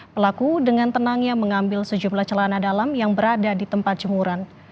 pelaku dengan tenangnya mengambil sejumlah celana dalam yang berada di tempat jemuran